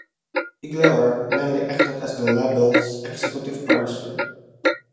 Iglauer mainly acted as the label's executive producer.